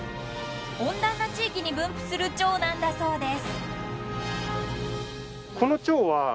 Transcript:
［温暖な地域に分布するチョウなんだそうです］